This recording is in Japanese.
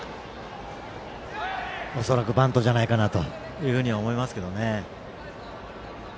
恐らくバントじゃないかなと思います。